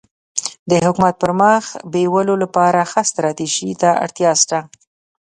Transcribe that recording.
د حکومت د پرمخ بیولو لپاره ښه ستراتيژي ته اړتیا سته.